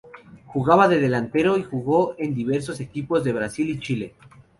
Jugaba de delantero y jugó en diversos equipos de Brasil y Chile.